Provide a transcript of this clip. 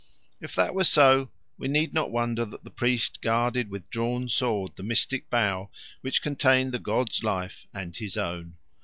If that was so, we need not wonder that the priest guarded with drawn sword the mystic bough which contained the god's life and his own.